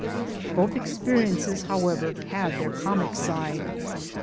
Both experiences however had their comic side.